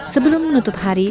sebelum menutup hari